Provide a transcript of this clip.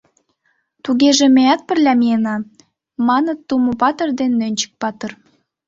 — Тугеже меат пырля миена, — маныт Тумо-патыр ден Нӧнчык-патыр.